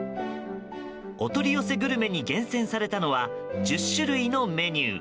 お取り寄せグルメに厳選されたのは１０種類のメニュー。